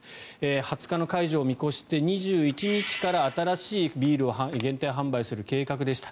２０日の解除を見越して２１日から新しいビールを限定販売する計画でした。